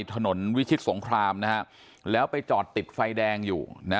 ถนนวิชิตสงครามนะฮะแล้วไปจอดติดไฟแดงอยู่นะ